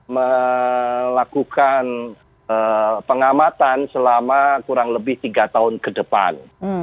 melakukan pengamatan selama kurang lebih tiga tahun ke depan